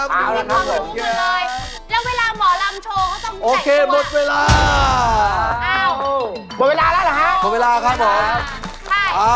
พรหมเวลาแล้วหรอคะ